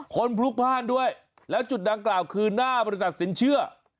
พลุกพ่านด้วยแล้วจุดดังกล่าวคือหน้าบริษัทสินเชื่อ